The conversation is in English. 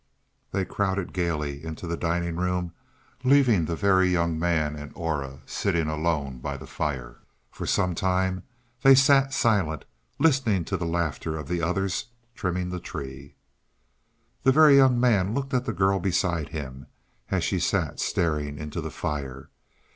They crowded gaily into the dining room, leaving the Very Young Man and Aura sitting alone by the fire. For some time they sat silent, listening to the laughter of the others trimming the tree. The Very Young Man looked at the girl beside him as she sat staring into the fire.